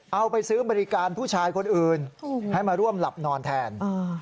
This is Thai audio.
เอาไปซื้อบริการผู้ชายคนอื่นให้มาร่วมหลับนอนแทน